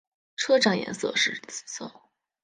车站颜色是紫色。